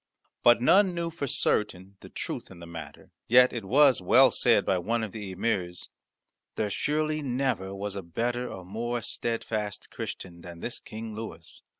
But none knew for certain the truth in the matter. Yet it was well said by one of the emirs, "There surely never was better or more steadfast Christian than this King Louis.